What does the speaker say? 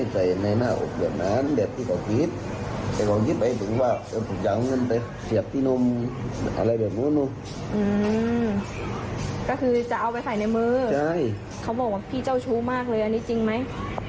ภาระคราวเจ้าชูมากเลยอันนี้จริงไหม